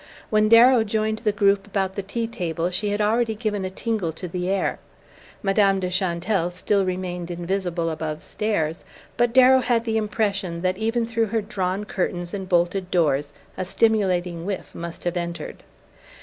When Darrow joined the group about the tea table she had already given a tingle to the air. Madame de Chantelle still remained invisible above stairs; but Darrow had the impression that even through her drawn curtains and bolted doors a stimulating whiff must have entered.